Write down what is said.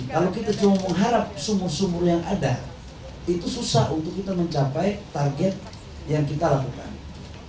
kalau kita cuma mengharap sumur sumur yang ada itu susah untuk kita mencapai target yang kita lakukan